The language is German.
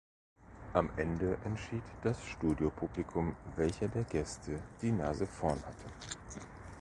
Am Ende entschied das Studiopublikum, welcher der Gäste die „Nase vorn“ hatte.